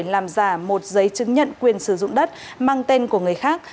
làm giả một giấy chứng nhận quyền sử dụng đất mang tên của người khác